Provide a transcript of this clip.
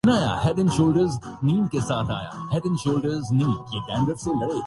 یہ بھی ممکن ہے کہہ ضرورت کے تحت